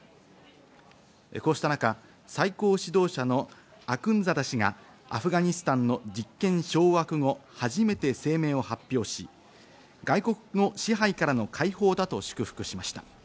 こうした中、最高指導者のアクンザダ師がアフガニスタンの実権掌握後、初めて声明を発表し外国の支配からの解放だと祝福しました。